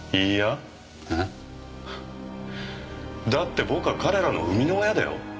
あん？だって僕は彼らの生みの親だよ。